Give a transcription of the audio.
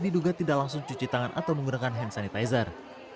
diduga tidak langsung cuci tangan atau menggunakan hand sanitizer